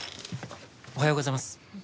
おはようございます。